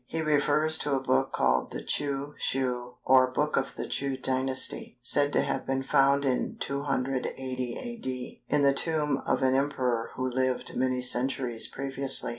He refers to a book called the Chou Shu or book of the Chou Dynasty, said to have been found in 280 A.D. in the tomb of an Emperor who lived many centuries previously.